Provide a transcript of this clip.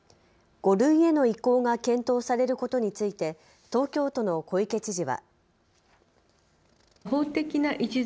５類への移行が検討されることについて東京都の小池知事は。